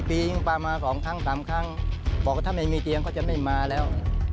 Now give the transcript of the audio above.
ปีตวยิงปากมา๒ขั้ง๓ขั้งบอกว่าถ้าไม่มีเจียงเขาจะไม่มาแล้ว